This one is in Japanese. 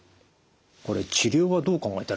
これ治療はどう考えたらいいんですか？